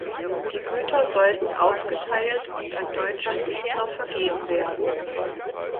Die Güter sollten aufgeteilt und an deutsche Siedler vergeben werden.